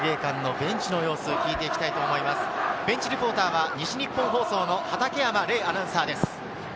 ベンチリポーターは西日本放送の畠山伶アナウンサーです。